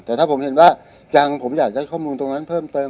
แต่ถ้าผมเห็นว่ายังผมอยากได้ข้อมูลตรงนั้นเพิ่มเติม